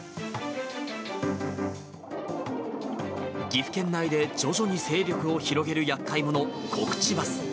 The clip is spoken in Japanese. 岐阜県内で徐々に勢力を広げるやっかい者、コクチバス。